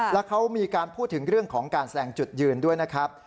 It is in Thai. แล้วเขามีการพูดถึงเรื่องของการแสดงจุดยืนด้วยนะครับ